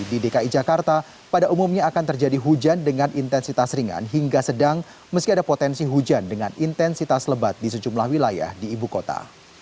di dki jakarta pada umumnya akan terjadi hujan dengan intensitas ringan hingga sedang meski ada potensi hujan dengan intensitas lebat di sejumlah wilayah di ibu kota